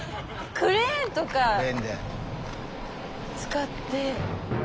クレーンとか使って。